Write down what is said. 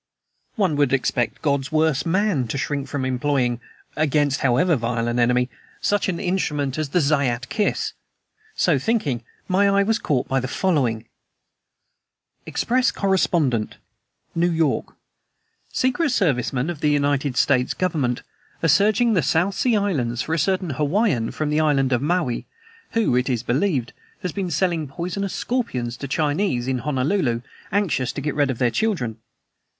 One would expect God's worst man to shrink from employing against however vile an enemy such an instrument as the Zayat Kiss. So thinking, my eye was caught by the following: EXPRESS CORRESPONDENT NEW YORK. "Secret service men of the United States Government are searching the South Sea Islands for a certain Hawaiian from the island of Maui, who, it is believed, has been selling poisonous scorpions to Chinese in Honolulu anxious to get rid of their children.